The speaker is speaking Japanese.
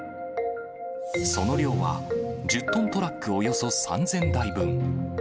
その量は１０トントラックおよそ３０００台分。